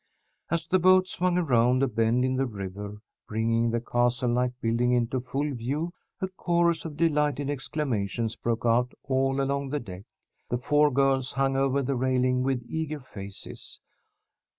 As the boat swung around a bend in the river, bringing the castle like building into full view, a chorus of delighted exclamations broke out all along the deck. The four girls hung over the railing with eager faces.